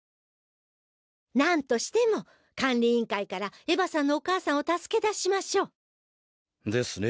なんとしても管理委員会からエヴァさんのお母さんを助け出しましょう。ですね。